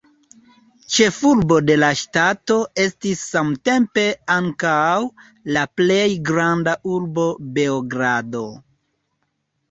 Ĉefurbo de la ŝtato estis samtempe ankaŭ la plej granda urbo Beogrado.